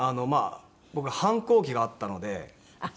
僕反抗期があったので。